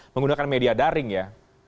menggunakan media daring ya